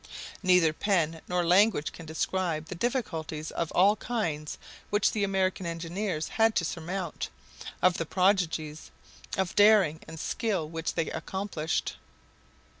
Neither pen nor language can describe the difficulties of all kinds which the American engineers had to surmount, of the prodigies of daring and skill which they accomplished.